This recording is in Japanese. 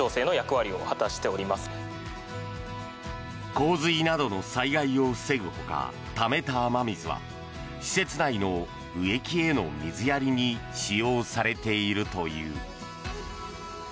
洪水などの災害を防ぐ他ためた雨水は施設内の植木への水やりに使用されているという。